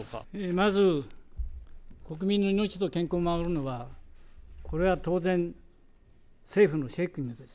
まず、国民の命と健康を守るのが、これは当然、政府の責務です。